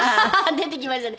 出てきましたね。